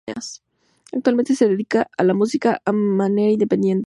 Actualmente, se dedica a la música de manera independiente.